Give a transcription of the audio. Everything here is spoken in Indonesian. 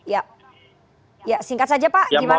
jadi ya singkat saja pak gimana